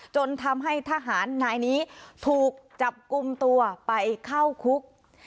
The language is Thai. จนทำให้ทหารนายนี้ถูกจับกลุ่มตัวไปเข้าคุก